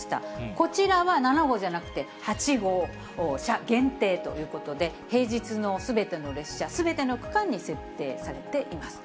こちらは７号じゃなくて８号車限定ということで、平日のすべての列車、すべての区間に設定されています。